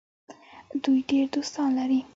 دوی ډیر دوستان لري.